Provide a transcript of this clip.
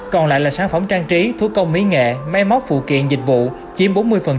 còn lại là sản phẩm trang trí thuốc công mỹ nghệ máy móc phụ kiện dịch vụ chiếm bốn mươi